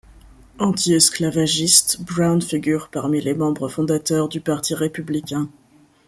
Antiesclavagiste, Brown figure parmi les membres fondateurs du Parti républicain.